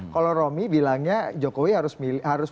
kalau romy bilangnya jokowi harus